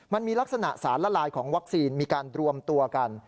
มันมีลักษณะสารละลายของวัคซีนมีการรวมตัวกัน